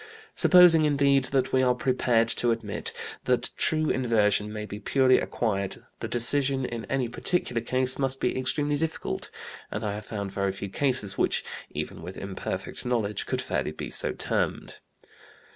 Supposing, indeed, that we are prepared to admit that true inversion may be purely acquired the decision in any particular case must be extremely difficult, and I have found very few cases which, even with imperfect knowledge, could fairly so be termed.